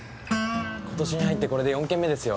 今年に入ってこれで４件目ですよ。